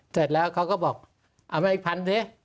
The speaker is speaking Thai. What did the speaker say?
เสร็จแล้วเขาก็บอกเอามาอีกพันสิ